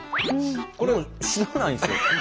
これ知らないんですよ。